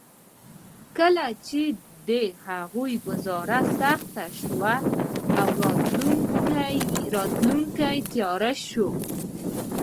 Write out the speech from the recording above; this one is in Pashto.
کله چې د هغوی ګوزاره سخته شوه او راتلونکې تياره شوه.